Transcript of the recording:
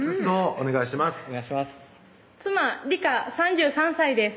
お願いします